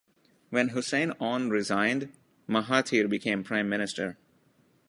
When Hussein Onn resigned, Mahathir became Prime Minister.